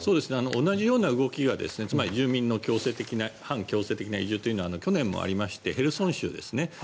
同じような動きがつまり住民の半強制的な移住というのは去年もありましてヘルソン州ですね。